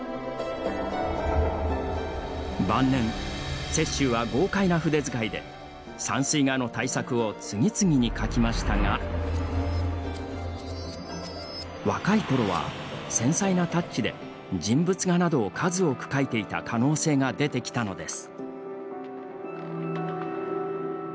晩年、雪舟は豪快な筆づかいで山水画の大作を次々に描きましたが若い頃は、繊細なタッチで人物画などを数多く描いていた可能性が出てきたのです。